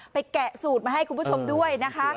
แกะสูตรมาให้คุณผู้ชมด้วยนะคะ